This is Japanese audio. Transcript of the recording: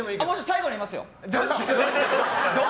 最後までいますよ。